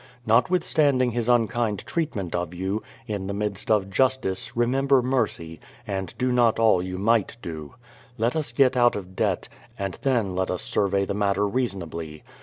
Not THE PLYMOUTH SETTLEMENT 267 withstanding his unkind treatment of you, in the midst of justice remember mercy, and do not all you might do. ... Let us get out of debt, and then let us survey the matter reasonably.